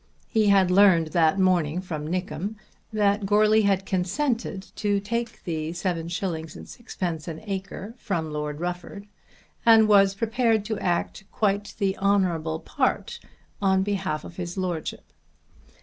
He had learned that morning from Nickem that Goarly had consented to take 7_s._ 6_d._ an acre from Lord Rufford and was prepared to act "quite the honourable part" on behalf of his lordship.